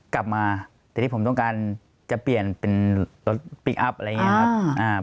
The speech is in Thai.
กลับมาแต่ที่ผมต้องการจะเปลี่ยนเป็นรถพลิกอัพอะไรอย่างนี้ครับ